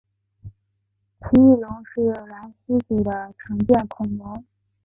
奇异龙是兰斯组的常见恐龙。